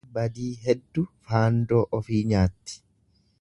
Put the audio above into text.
Gaangeen badii heddu faandoo ofii nyaatti.